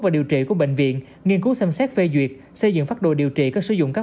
và điều trị của bệnh viện nghiên cứu xem xét phê duyệt xây dựng pháp đồ điều trị các sử dụng các